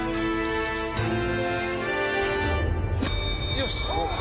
よし！